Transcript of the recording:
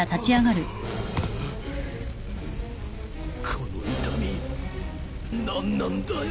この痛み何なんだよ。